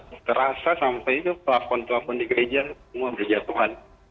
terasa sampai itu pelafon telepon di gereja semua berjatuhan